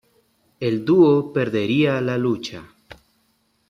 El dúo perdería la lucha.